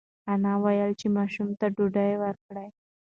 انا وویل چې ماشوم ته ډوډۍ ورکړئ.